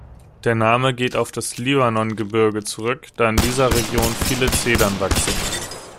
Der Name geht auf das Libanongebirge zurück, da in dieser Region viele Zedern wachsen.